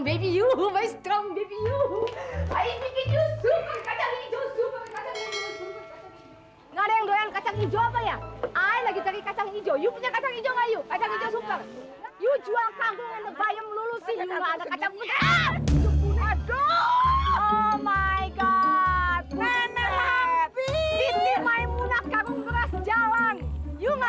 ma ini keluarga ibu reni apa siapa